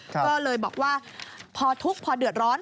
ก็เลยบอกว่าพอทุกข์พอเดือดร้อน